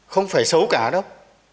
không phải xấu cả đâu